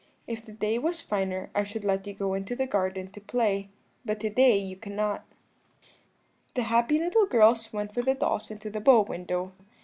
If the day was finer I should let you go into the garden to play, but to day you cannot.' [Illustration: "The happy little girls went with the dolls into the bow window." Page 174.